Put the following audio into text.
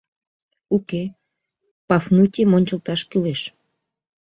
Уке, Пафнутийым ончылташ кӱлеш.